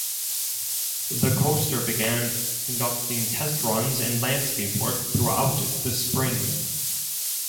The coaster began conducting test runs and landscape work throughout the spring.